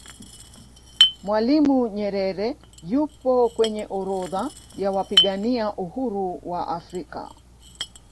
mwalimu nyerere yupo kwenye orodha ya wapigania uhuru wa afrika